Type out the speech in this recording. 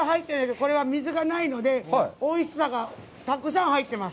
これは水がないので、おいしさがたくさん入ってます。